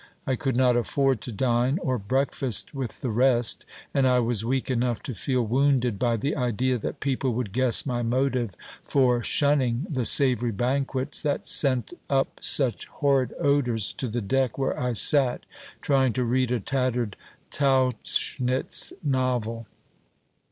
I could not afford to dine or breakfast with the rest; and I was weak enough to feel wounded by the idea that people would guess my motive for shunning the savoury banquets that sent up such horrid odours to the deck where I sat, trying to read a tattered Tauchnitz novel.